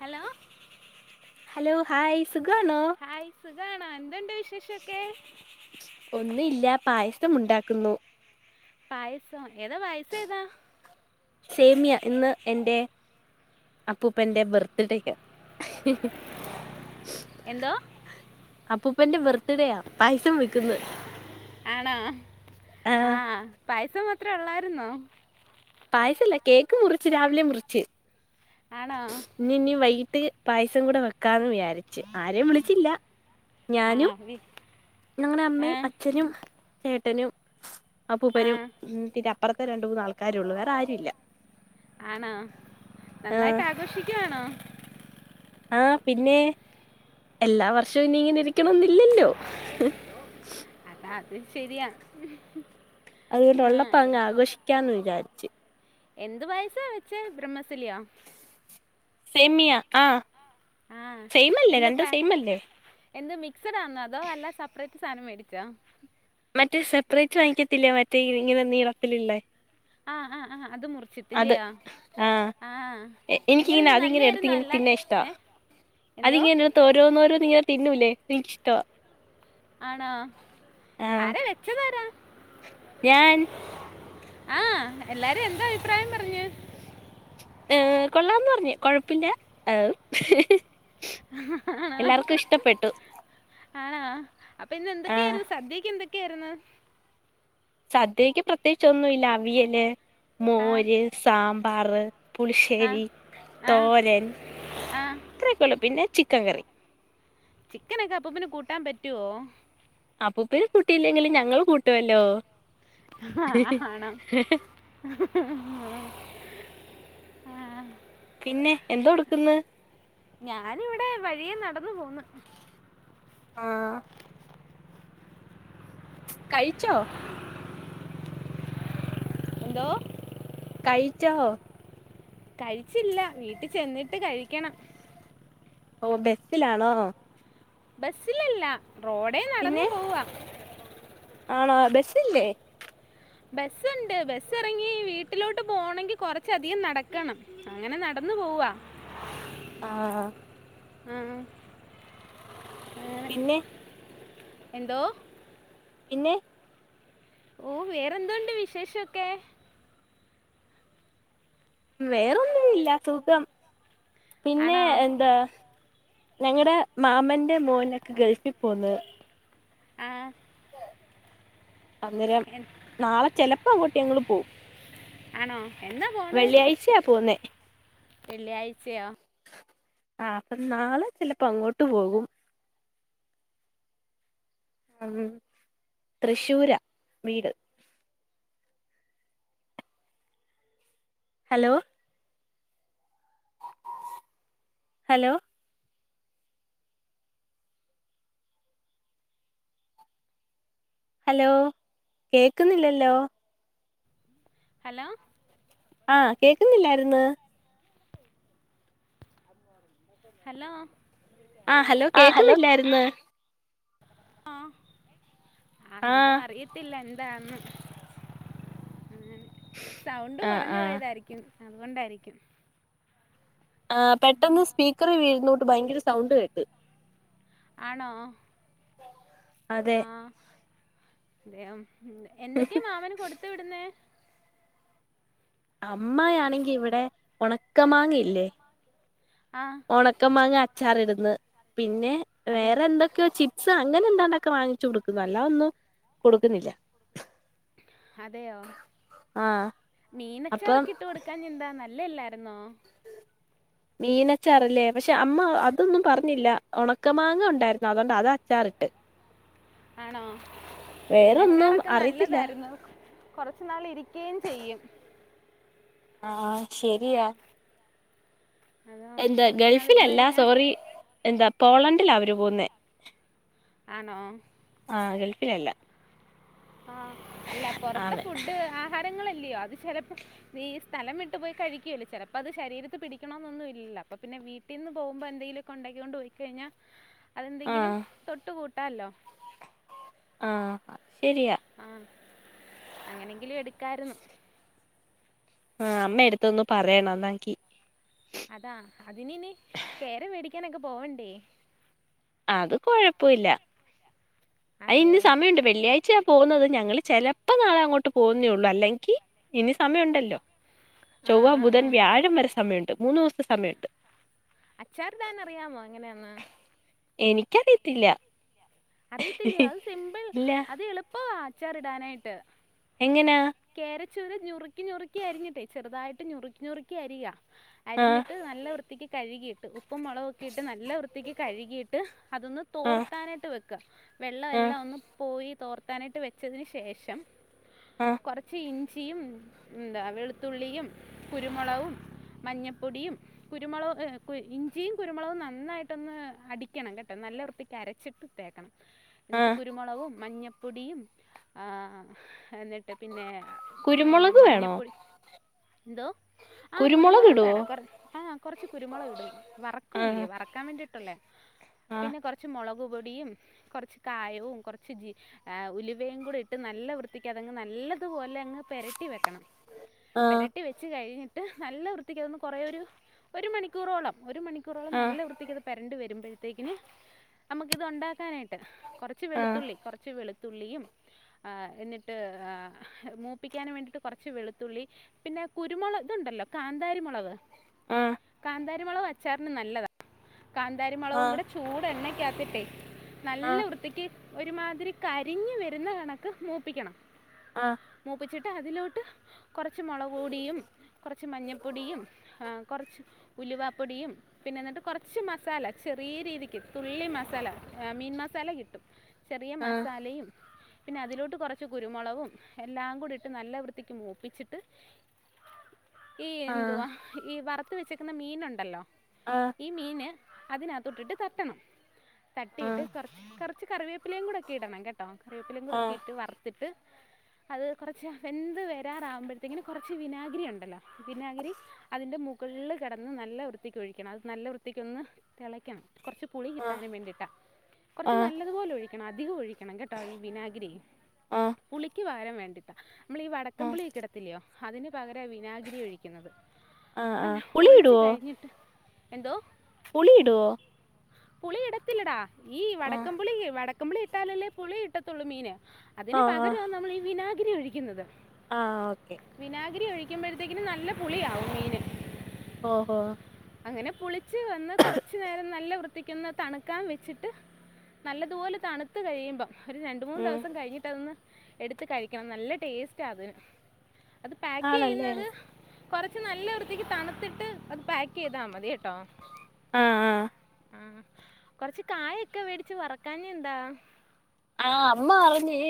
Hello hello hi സുഖം ആണോ? സുഖം ആണോ എന്തുണ്ട് വിശേഷൊക്കെ? മുണ്ടാക്കുന്നു. പായസം ഏതാ പായസേതാ? എൻ്റെ അപ്പൂപ്പന്റെ ബർത്ത്ഡേക്ക് ഹ ഹ. എന്തോ? അപ്പൂപ്പന്റെ ബർത്ത്ഡേയാ പായസം വെക്കുന്നു. ആണോ ആ പായസം മാത്രേ ഉള്ളായിരുന്നോ? പായസല്ല കേക്ക് മുറിച്ച് രാവിലെ മുറിച്ച്. ആണോ ഇനി ഇനി വൈകിട്ട് പായസം കൂടെ വെക്കാന്ന് വിചാരി ച്ചെ ആരെയും വിളിച്ചില്ല ആ ഞാനും വി- ഞങ്ങളുടെ ആ അമ്മയും അച്ഛനും ചേട്ടനും ആ അപ്പൂപ്പനും അപ്പറത്തെ രണ്ട മൂന്നാൾക്കാരള്ളൂ വേറെ ആരും ഇല്ല. ആണോ ആ നന്നായിട്ട് ആഘോഷിക്കയാണോ? ആ പിന്നെ എല്ലാ വർഷവും ഇനി ഇങ്ങനെ ഇരിക്കണന്നില്ലല്ലോ. അതാ അത് ശരിയാ. അതുകൊണ്ട് ആ ഉള്ളപ്പ എ- അങ്ങ് ആഘോഷിക്കാന്ന് വിചാരിച്ചു. എന്ത് പയസ വെച്ചേ ബ്രഹ്മസലിയാ? സേമിയാ ആ സൈമല്ലേ എന്ത് രണ്ടും പാ സെമല്ലേ? എന്ത് മിക്സഡ ആന്നോ അതോ എല്ലാ സെപ്പറേറ്റ് സാധനം മേടിച്ചോ? മറ്റേ സെപ്പറേറ്റ് വാങ്ങിക്കത്തില്ല മറ്റേ ഇങ്ങനെ നീളത്തിലില്ലേ ആ ആ ആ അത് മുറിച്ചിട്ടില്ലയോ ആഹ് ആ എ എനിക്കിങ്ങനെ എങ്ങനെുണ്ട് അതിങ്ങനെ നല്ലായിരുന്നു എടുത്തിങ്ങനെ അല്ല തിന്നാൻ ഇഷ്ടാ ഏ? എന്തോ അതിങ്ങനെ ഇത്ത് ഓരോന്ന ഓരോ നിങ്ങനെ തിന്നൂല്ലേ നിക്ക്ഷ്ടവാ. ആണോ ആരാ വെച്ചതരാ? ഞാൻ ആ എല്ലാരും എന്താ അഭിപ്രായം പറഞ്ഞ്? കൊള്ളാന്ന് പറഞ്ഞു കൊഴപ്പില്ലാ അം എല്ലാർക്കും ഇഷ്ടപ്പെട്ടു. ആണാ അപ്പൊ ഇന്ന് ആഹ് എന്തൊക്കെയായിരുന്നു സദ്യക്ക് എന്തൊക്കെയായിരുന്നു? സദ്യക്ക് പ്രത്യേകിച്ച ഒന്നുംല്ല അവിയല് ആഹ് മോര് സാമ്പാർ ആഹ് പുളിശ്ശേരി ആഹ് തോരൻ ആഹ് അത്രൊക്കെയള്ള പിന്നെ ചി ക്കകറി ചിക്കനൊക്കെ അപ്പപ്പന് കൂട്ടാൻ പറ്റുവോ? അപ്പൂപ്പൻ കൂട്ടിയില്ലെങ്കില് ഞങ്ങൾ കൂട്ടുവല്ലോ ആഹ ആണോ? പിന്നെ എന്തോ എടുക്കന്ന്? ഞാന് ഇവിടെ വഴിയെ നടന്നു പോന്ന്. ആഹ് കഴിച്ചോ? എന്തോ കഴിച്ചോ? കഴിച്ചില്ല വീട്ടിൽ ചെന്നിട്ട് കഴിക്കണം. ഓ ബസ്സിലാണോ? ബസ്സിലല്ല റോഡേ നടന്നു പിന്നെ പോവാ. ആണോ ബസ്സ് ഇല്ലേ. ബസ്സ് ഉണ്ട് ബസ്സ് ഇറങ്ങി വീട്ടിലോട്ട് പോണങ്കി കൊറച്ചധികം നടക്കണം. അങ്ങനെ നടന്ന ഇന്ന് പോവാ. ആഹാ. മ് പിന്നെ. എന്തോ. പിന്നെ. ഓ വേറെന്തുണ്ട് വിശേഷൊക്കെ. വേറൊന്നും ഇല്ല സുഖം. പിന്നെ ആണോ എന്താ? ഞങ്ങളടെ മാമന്റെ മോനൊക്കെ ഗൾഫിൽ പോന്ന്. ആഹ്. അന്നേരം എൻ- നാളെ ചെലപ്പോ അങ്ങോട്ട് ഞങ്ങൾ പോവും. ആണോ എന്നാ പോണ് വെള്ളിയാഴ്ചയാ പോവുന്നെ. വെള്ളിയാഴ്ചയോ? ആ അപ്പൊ നാളെ ചിലപ്പോ അങ്ങോട്ട് പോകും. മ്മ് തൃശ്ശൂരാ വീട്. ഹലോ. ഹലോ. ഹലോ കേക്കുന്നില്ലല്ലോ. ഹലോ. ആഹ് കേക്കുന്നില്ലായിര്ന്ന്. ഹലോ. ആ ഹലോ കേക്കുന്നില്ലായിര്ന്ന്. ആഹ് എന്തോ ആഹ് അറിയത്തില്ല എന്താന്ന്. മ് സൗണ്ട് ആഹ് കുറഞ്ഞു ആഹ് പോയതായിരിക്കും അതുകൊണ്ടായിരിക്കും. ആ പെട്ടെന്ന് സ്പീക്കർ വീഴുന്നോട്ട് ഭയങ്കര സൗണ്ട് കേട്ട്. ആണോ. അതെ. ആ അതെയോ എന്തൊക്കെയാ മാമന് കൊടുത്തു വിടുന്നേ. അമ്മയാണെങ്കി ഇവിടെ ഉണക്കമാങ്ങയില്ലേ. ആ ഉണക്ക മാങ്ങ അച്ചാർ ഇടുന്ന്. പിന്നെ അതെ വേറെ എന്തൊക്കെയോ ചി സ അങ്ങനെ എന്താണ്ടൊക്കെ വാങ്ങിച്ചു കൊടുക്കുന്നു അല്ല ഒന്നും കൊടുക്കുന്നില്ല. അതെയോ ആഹ് അപ്പം മീനച്ചാറോക്കെ ഇട്ട് കൊടുക്കാഞ്ഞെന്താ നല്ല. ഇല്ല ഇല്ലായിരുന്നോ. മീനച്ചാറല്ലേ പക്ഷെ അമ്മ അതൊന്നും പറഞ്ഞില്ല. ഉണക്ക മാങ്ങ ഉണ്ടായിരുന്നു അതുകൊണ്ട് അത് അച്ചാർ. ഇട്ട്. ആണോ മീനച്ചാറൊക്കെ അറിയത്തില്ല നല്ലതായിരുന്നു. കുറച്ചു നാൾ ഇരിക്കയും ചെയ്യും. ആ ശരിയാ. അത് എന്താ കുറച്ച് നാൾ ഇരുന്ന് ഗൾഫിലല്ല കഴിഞ്ഞാൽ സോറി എന്താ പോളണ്ടിലാ അവര് പോകുന്നേ. ആണോ. ആ ഗൾഫിലല്ല. ആ അല്ല പൊറത്തെ ആണ് ഫുഡ് ആഹാരങ്ങൾ. ല്ല്യോ അത് ചിലപ്പോ നീ സ്ഥലം വിട്ട് പോയി കഴിക്കല്ലേ ചിലപ്പോ അത് ശരീരത്ത് പിടിക്കണന്നൊന്നുല്ല്യ അപ്പൊ പിന്നെ. വീട്ടിന്ന് പോകുമ്പോ എന്തെങ്കിലുക്കെ ഉണ്ടാക്ക്യോണ്ട് പോയി കഴിഞ്ഞാൽ. അതെന്തെങ്കിലും ആഹ് തൊട്ട് കൂട്ടാല്ലോ. ആ അത് ശരിയാ. അങ്ങനെങ്കിലും എടുക്കായിരുന്നു. ആ അമ്മ എടുത്തൊന്നു പറയണം ന്ന എന്കി. അതാ അതിനിനി കയറി മേടിക്കാനൊക്കെ പോവണ്ടേ.. അത് കൊഴപ്പോല്ല്യാ. അയിന് അതെയോ സമയമുണ്ട് വെള്ളിയാഴ്ച പോകുന്നത് ഞങ്ങള് ചെലപ്പോ നാളെ അങ്ങോട്ട് പോവുന്നേള്ളു അല്ലെങ്കി ഇനി സമയണ്ടല്ലോ. ആഹ് ചൊവ്വ ആഹ് ബുധൻ ആഹ് വ്യാഴം വരെ സമയണ്ട് മൂന്നു ദിവസത്തെ സമയണ്ട്. അച്ചാറിടാൻ അറിയാമോ എങ്ങനെയാന്ന്. എനിക്കറിയത്തില്ല. അറിയത്തില്ലയോ അത് സിമ്പിൾ ഇല്ല അത് എളുപ്പവാ അച്ചാർ ഇടാനായിട്ട്. എങ്ങനാ ചെറു നുറുക്കി നുറുക്കി അരിഞ്ഞിട്ടെ ചെറുതായിട്ട് നുറുക്കി നുറുക്കി അരിയാ ആഹ് അരിഞ്ഞിട്ട് നല്ല വൃത്തിക്ക് കഴുകിയിട്ട് ഉപ്പും മുളകൊക്കിയിട്ട് നല്ല വൃത്തിക്ക് കഴുകിയിട്ട് അതൊന്ന് ആഹ് തോർത്താനായിട്ട് വയ്ക്ക ആഹ് വെള്ളമെല്ലാം ഒന്ന് പോയി തോർത്താനായിട്ട് വെച്ചതിന് ശേഷം. ആഹ് കൊറച്ച് ഇഞ്ചിയും എന്താ വെളുത്തുള്ളിയും കുരുമുളകും. മഞ്ഞപ്പൊടിയും കുരുമുളക് ഇഞ്ചിയും കുരുമുളകും നന്നായിട്ടൊന്ന് അടിക്കണം കെട്ടോ എന്ന നല്ല വൃത്തിക്ക് അരച്ചിട്ട് തേക്കണം എന്നിട്ട് ആഹ് കുരുമുളകും മഞ്ഞപൊ പൊടിയും ആ എന്നിട്ട് പിന്നെ കുരുമുളക് വേണോ. ന്തോ ആ കുരുമുളക് വേണം കൊ ആ കൊറച്ച് കുരുമുളക് ഇടും വറക്കുംല്ലേ ആഹ് വറക്കാൻ വേണ്ടിട്ടുള്ളേ. ആഹ് പിന്നെ കൊറച്ച് മുളക് ടിയും കുറച്ച് കായവും കുറച്ച് ജീ ഏ ഉലുവയുംകൂടി ഇട്ട് നല്ല വൃത്തിക്ക് നല്ല തുപോലെ അങ്ങ് പെരട്ടി വെക്കണം. പെരട്ടി വെച്ച് കഴിഞ്ഞിട്ട് നല്ല വൃത്തിക്കന്ന് കുറേ ഒരു മണിക്കൂറോളം ഒരു മണിക്കൂറോളം ആഹ് നല്ല വൃത്തിക്കത് പേരെണ്ട് വരുമ്പോഴത്തേക്കിന് നമുക്ക് ഇത് ഉണ്ടാക്കാനായിട്ട് കൊറച്ച് ആഹ് വെളുത്തുള്ളി കൊറച്ച് വെളുത്തുള്ളിയും ആ എന്നിട്ട് ആ മൂപ്പിക്കൻ വേണ്ടിട്ട് കൊറച്ച് വെളുത്തുള്ളി പിന്നെ കുരുമുളക് ഇതു ണ്ടല്ലോ കാന്താരി മുളക് ആഹ് കാന്താരിമുളക് അച്ചാറിന് നല്ലതാണ് കാന്താരിമുളകവും ആഹ് കൂടെ ചൂട്ണ്ണ കസ പേ [unintelligible] നല്ല ആഹ് വൃത്തിക്ക് ഒരുമാതിരി കരിഞ്ഞ് വരുന്ന കണക്ക് മൂപ്പിക്കണം ആഹ് മൂപ്പിച്ചിട് അതില്ലോട്ട് കൊറച്ച് മുളകുപൊടിയും കൊറച്ചു മല്ലിപൊടിയും ഏ കൊറച്ച് കു ഉലുവപ്പൊടിയും പിന്നെ എന്നിട്ട് കൊറച്ച് മസാല ചെറിയ രീതിക്ക് തുള്ളി മസാല. മീൻ മസാല കിട്ടും ചെറിയ ആഹ് മസാലയും പിന്നെ അതിലോട്ട് കുറച്ച് കുരുമുളവും എല്ലാം കൂടി ഇട്ട് നല്ല വൃത്തിക്ക് മൂപ്പിച്ചിട്ട് ആഹ [inaudible] ഈ എന്തുവാ ഈ വറുത്ത വെച്ചക്കുന്ന മീനുണ്ടല്ലോ ആഹ് ആഹ് ഈ മീന് അതിനകത്ത് ഇട്ടിട്ട് തട്ടണം തട്ടിയിട്ട് ആഹ് കൊറച്ച് കൊറച്ച് കറിവേപ്പിലേയും കൂടെ ഒക്കെ ഇടണം കേ ട്ടോ ആഹ് ആഹ് കറിവേപ്പിലേകൂടെക്കിട്ട് വറത്തിട്ട് അത് കൊറച്ച് വെന്ത് വരാറാകുമ്പഴ്ത്തേക്കിനും കൊറച്ച് വിനാഗിരി ഒണ്ടല്ലോ വിനാഗിരി അതിന്റെ മൂ ഫുള്ള് കെടന്ന് നല്ല വൃത്തിക്ക് ഒഴിക്കണം അത് നല്ല വൃത്തിക്കൊന്ന് തെളയ്ക്കണം കൊർച്ച് പുളി ആഹ് കിട്ടാനും വേണ്ടി. കൊറച്ച് ആഹ് നല്ലതുപോലെ ഒഴിക്കണം അധികൊഴി ക്കണം കേട്ടോ ഈ വിനാഗിരി ആഹ് പുളിക്ക് പകരം വേണ്ടിട്ടാ നമ്മളി ആഹ് വടക്കൻപുളിക്കെടത്തില്ലയോ? അതിന് പകരാ വിനാഗിരി ഒഴിക്കുന്നത് ആഹ് ആഹ് അല്ലോ പുളി ഒഴിച്ചു ഇടുവോ കഴിഞ്ഞിട്ട് എന്തോ? പുളി ഇടുവോ പുളി ഇടത്തില്ലടാ ഈ ആഹ് വടക്കംമ്പുളി വടക്കംബുളി ഇട്ടാലല്ലേ പുളി കിട്ടത്തൊള്ളൂ മീന്. അതിന് ഓഹ് പകരാ ഓഹ് നമ്മളീ വിനാഗിരി ഒഴിക്കുന്നത്. ആഹ് ഓക്കെ വിനാഗിരി ഒഴിക്കുമ്പഴത്തേക്കിനും നല്ല പുളിയാവും മീനിന്. ഓഹോ. അങ്ങനെ പുളിച്ച് വന്ന് കൊറച്ച് നേരം നല്ല വൃ ത്തിക്കൊന്ന് തണുക്കാൻ വെച്ചിട്ട് നല്ലതുപോലെ തണുത്ത് കഴിയുമ്പം. ഒരു രണ്ട് മൂന്ന് ഉം ദിവസം കഴിഞ്ഞിട്ടതൊന്ന് എടുത്ത് കഴിക്കണം നല്ല ടേസ്റ്റാത്. അത് പാക്ക് ആണല്ലേ ചെയ്യുന്നത് കൊറച്ച് നല്ലവൃത്തിക്ക് തണുത്തിട്ട് അത് പാക്ക് ചെയ്താ മതി. ട്ടോ ആഹ് ആഹ് ഉം. കൊറച്ച് കായൊക്കെ വേടിച്ച് വറക്കാഞ്ഞെന്താ. ആ അമ്മ അറിഞ്ഞ്.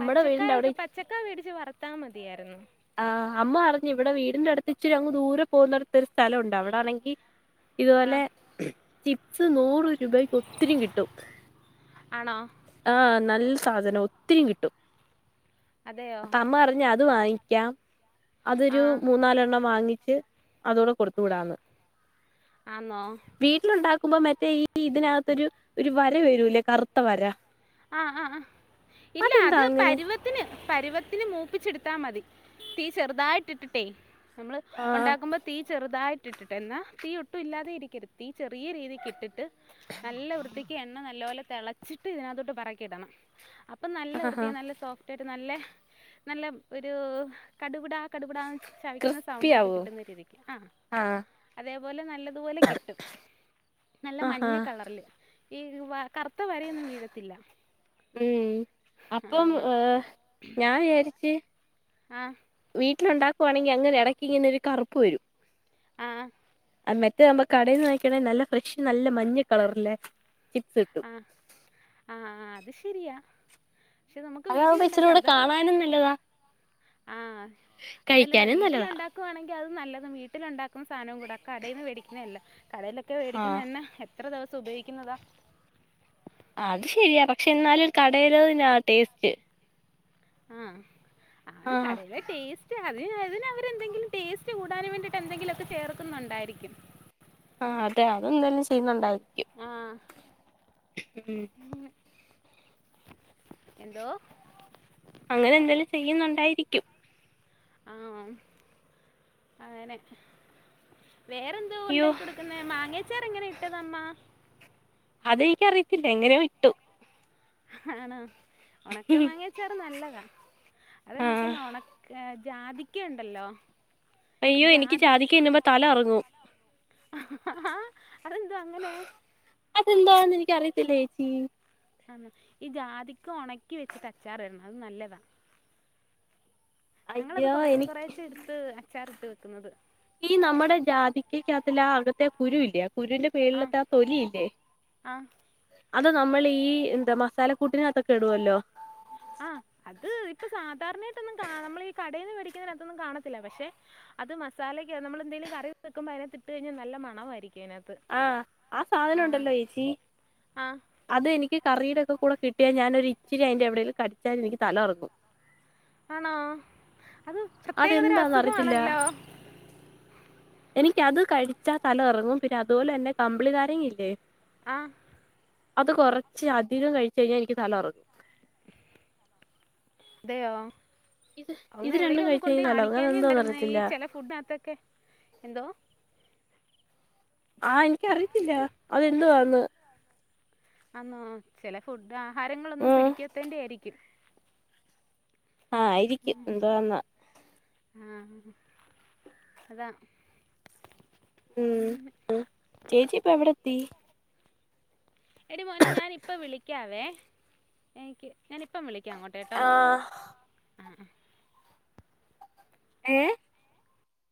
പച്ചക്കായക്കെ പച്ചക്കാ വേടിച്ച് വറത്താ മതിയാരുന്നു. ആ അമ്മ അറിഞ്ഞുവടെ വീടിന്റെ അടുത്ത് ഇച്ചിരങ്ങ് ദൂര പോന്നടുത്ത് ഒരു സ്ഥലൊണ്ടവിടാണെങ്കി. ആ ഇതുപോലെ ചിപ്സ് നൂറ് രൂപക്ക് ഒത്തിരി കിട്ടും ആണോ ആ നൽ സാധനം ഒത്തിരി കിട്ടും അതെയോ അമ്മറഞ്ഞ് അത് വാങ്ങിക്കാം. ആ അതൊരു മൂന്നാലെണ്ണം വാങ്ങിച്ച് അതൂടെ കൊടുത്തു വിടാന്ന്. ആന്നോ? ക്കുമ്പ മറ്റേ ഈ ഇതിനാത്തൊരു ഒരു വര വീഴുലേ കറുത്ത വര. ആ ആ ഇല്ല അതെന്താ അത് അങ്ങനെ പരുവത്തിന് പരുവത്തിന് മൂപ്പിച്ചെടു. ത്താ മതി തീ ചെറുതായിട്ടിട്ടിട്ടേ നമ്മള് ആഹ് ഒണ്ടാക്കുമ്പ തീ ചെറുതായി. ട്ടിട്ടിട്ട് എന്നാ തീ ഒട്ടുല്ലാതേം ഇരിക്കരുത് തീ ചെറിയ രീതിക്കിട്ടിട്ട് നല്ല വൃത്തിക്ക് എണ്ണ നല്ല ല്ലോലേ തെളച്ചിട്ടിതിനകത്തോട്ട് പെറക്കിയിടണം അപ്പം നല്ല വൃത്തി ആഹാ നല്ല സോഫ്റ്റായിട്ട് നല്ലെ. നല്ല ഒരു കടും. പുട കടുപുട ചവിക്കുന്ന ക്രിസ്പി സൗണ്ടൊക്കെ ആവോ കിട്ടുന്ന രീതിക്ക് ആ. ആഹ് അതേപോലെ നല്ലതുപോലെ കിട്ടും നല്ല ആഹാ മഞ്ഞ കളറില്. ഈ വ കറത്ത വരയൊന്നും വീഴരത് ഉം അപ്പം ആഹ് ഏ ഞാൻ വിയാരിച്ച് ആ ട്ടിലൊണ്ടാക്കുവാണെങ്കി അങ്ങനെ എടക്കിങ്ങനൊരു കറപ്പ്‌ വരും. ആ അ മെറ്റേതാമ്പ കടെന്ന് വാങ്ങിക്കണ നല്ല ഫ്രഷ് നല്ല മഞ്ഞ കളറല്ലേ? ആ ആ ആ അത് ശരിയാ. പക്ഷെ നമുക്ക് അതാവമ്പ വീട്ടിലുണ്ടാക്കാം ഇച്ചിരൂടെ കാണാനും നല്ലതാ. ആ അതല്ലടാ കഴിക്കാനും നല്ലതാ വീട്ടിലൊണ്ടാക്കുവാണെങ്കി അത് നല്ലതും വീട്ടിലൊണ്ടാ ക്കും സാനോം കൂട കടെന്ന് വേടിക്കുന്നെല്ല കടയിലൊക്കെ ആഹ് വേടിക്കുന്ന എണ്ണ. എത്ര ദിവസം ഉപയോഗിക്കുന്നതാ. അത് ശരിയാ പക്ഷെ എന്നാലും കടെലിതിനാ ടേസ്റ്റ്. ആ ആണ് ആഹ് കടെലേ ടേസ്റ്റാ. അതിന് അതിനവരെന്തെങ്കിലും ടേസ്റ്റ് കൂടാനും വേണ്ടിട്ട് എന്തെങ്കിലൊക്കെ ചേർക്കുന്നുണ്ടായിരിക്കും. ആ അതെ അതെന്തേലും ചെയ്യുന്നുണ്ടാ ആ ഉം എന്തോ? അങ്ങനെ എന്തേലും ചെയ്യുന്നുണ്ടായിരിക്കും. ആ, അങ്ങനെ. വേറെന്തോ അയ്യോ ഉണ്ടാക്കി കൊടുക്കുന്നെ, മാങ്ങ അച്ചാർ എങ്ങനെ ഇട്ടത് അമ്മ. അതെനിക്ക് അറിയത്തില്ല എങ്ങനെയൊ ഇട്ടു ആണ. ഉണക്ക മാങ്ങയച്ചാറ് നല്ലതാ, ആ അതകണക്കന്നെ ഉണക്ക ജാതിക്കയുണ്ടാല്ലോ അയ്യോ എനിക്ക് ജാതിക്ക തിന്നുമ്പോ തല കറങ്ങും. ആഹ് ആ. അതെന്താണെന്ന് എനിക്ക് അറിയത്തില്ല ചേച്ചി. ഈ ജാതിക്ക ഉണക്കി വെച്ചിട്ട് അച്ചാർ ഇടണം അത് നല്ലതാ. ഞങ്ങളത് അയ്യോ കുറേച്ച എനിക്ക് കൊറേച്ച എടുത്ത് അച്ചാറിട്ട് വെക്കുന്നത്. ഈ നമ്മുടെ ജാതിക്ക അകത്തു, ആ അകത്തെ കുരുവില്ലേ. കുരുവിന്റെ മേളിൽത്തെ ആ തൊലിയില്ലേ. ആ അതാ നമ്മൾ ഈ എന്താ മസാല കൂട്ടിനകത്തൊക്കെ ഇടുവല്ലോ. ആഹ്, അത് ഇപ്പൊ സാധാരണയായിട്ടൊന്നും കാ നമ്മൾ ഈ കടയിൽന്ന് മേടിക്കുന്നതിനകത്തൊന്നും കാണത്തില്ല പക്ഷെ അത് മസാലക്ക നമ്മൾ എന്തെലും കറി വെക്കുമ്പോ അതിനകത്തു ഇട്ട് കിഞ്ഞാൽ നല്ല മണമായിരിക്കും. അതിനകത്ത് ആഹ ആ സാധനം ഉണ്ടല്ലോ ചേച്ചി ആ അത് എനിക്ക് കറീടെ ഒക്കെ കൂടെ കിട്ടിയാൽ ഞാനൊരു ഇച്ചിരി അതിന്റെ എവിടേലും കടിച്ചാലും എനിക്ക് തല ഉറങ്ങും ആണോ അത് പ്രത്യേകത തര അതെന്താന്ന് അറിയത്തില്ല അസുഖമാണല്ലോ എനിക്കത് കഴിച്ചാ തല കറങ്ങും പിന്നെ അതുപോലെന്നെ കമ്പിളിനാരങ്ങ ഇല്ലേ ആഹ അത് കൊറച്ച് അധികം കഴിച്ച് കഴിഞ്ഞാ എനിക്ക് തല കറങ്ങും അതെയോ? ഇത് ഇത് അങ് രണ്ടും എവിടെേലും ഒന്ന് കഴിച്ച് കൊണ്ട് കഴിഞ്ഞാ തലകറങ്ങും അതെന്തോന്ന് കാണിക്കാഞ്ഞെന്താരുന്നെ, ഈ അറിയത്തില്ല ചില ഫുഡിനകത്തൊക്കെ എന്തോ? ആഹ! എനിക്കറിയിത്തില്ല, അതെന്തുവാന്ന്? അന്നോ? ചില ഫുഡ് ആഹാരങ്ങളൊന്നും ഉം പിടിക്കത്തേന്റെ ആയിരിക്കും. ആഹ് ഇരിക്കും. എന്താവാന്നാ? ആ. അതാ ഉം. ചേച്ചി ഇപ്പൊ എവിടെ എത്തി? എടി മോനെ ഞാനിപ്പോ വിളിക്കാവേ എനിക്ക് ഞൻ ഇപ്പം വിളിക്കാം അങ്ങോട്ടെ ആഹ് ട്ടോ. ഏ